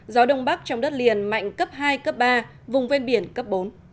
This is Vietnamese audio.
gió đông bắc trong đất liền mạnh cấp hai cấp ba vùng ven biển cấp bốn